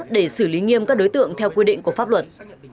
để xử lý nghiêm các đối tượng theo quy định của pháp luật